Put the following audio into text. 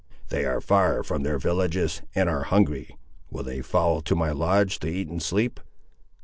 "They are far from their villages, and are hungry. Will they follow to my lodge, to eat and sleep?"